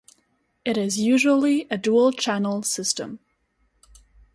It is usually a dual-channel system.